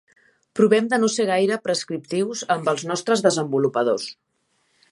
Provem de no ser gaire prescriptius amb els nostres desenvolupadors.